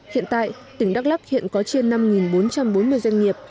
hiện tại tỉnh đắk lắc hiện có trên năm bốn trăm bốn mươi doanh nghiệp